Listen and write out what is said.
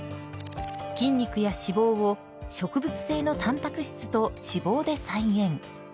筋肉や脂肪を植物性のたんぱく質と脂肪で再現。